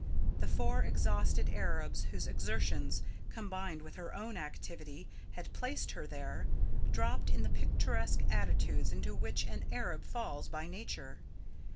The four exhausted Arabs whose exertions, combined with her own activity, had placed her there, dropped in the picturesque attitudes into which an Arab falls by nature.